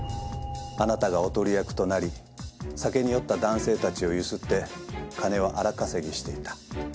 あなたがおとり役となり酒に酔った男性たちを強請って金を荒稼ぎしていた。